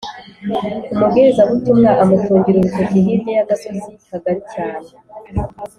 Umubwirizabutumwa amutungira urutoki hirya y’agasozi kagari cyane,